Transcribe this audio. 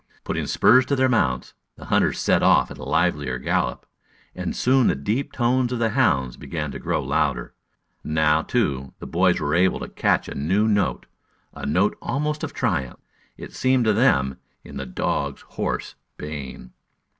Putting spurs to their mounts, the hunters set off at a livelier gallop, and soon the deep tones of the hounds began to grow louder. Now, too, the boys were able to catch a new note a note almost of triumph, it seemed to them, in the dogs' hoarse baying.